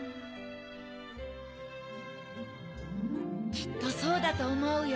きっとそうだとおもうよ。